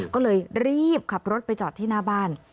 ก็เลยรีบขับรถไปจอดที่หน้าบ้าน